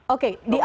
oke di akhir pekan